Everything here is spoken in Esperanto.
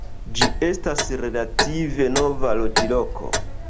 Ĝi estas relative nova loĝloko.